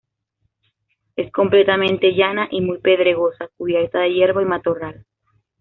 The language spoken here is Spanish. Es completamente llana y muy pedregosa, cubierta de hierba y matorral.